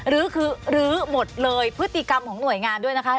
ลื้อหมดเลยพฤติกรรมของหน่วยงานด้วยนะคะ